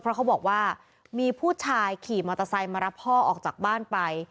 เพราะเขาบอกว่ามีผู้ชายขี่มอเตอร์ไซค์มารับพ่อออกจากบ้านไป